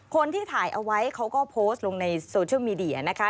คนที่ถ่ายเอาไว้เขาก็โพสต์ลงในโซเชียลมีเดียนะคะ